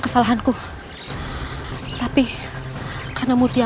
aku daftarkan hujan untuk menyemburikinya